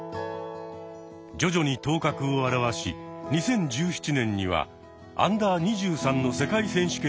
徐々に頭角を現し２０１７年にはＵ２３の世界選手権に出場。